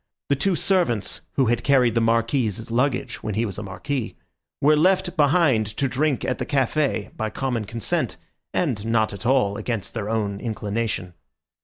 The two servants, who had carried the Marquis's luggage when he was a marquis, were left behind to drink at the café by common consent, and not at all against their own inclination.